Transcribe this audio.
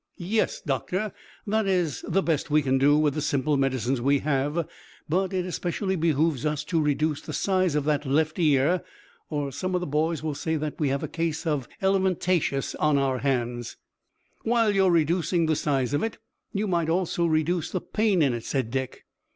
"Yes, Doctor. That is the best we can do with the simple medicines we have, but it especially behooves us to reduce the size of that left ear, or some of the boys will say that we have a case of elephantiasis on our hands." "While you're reducing the size of it you might also reduce the pain in it," said Dick.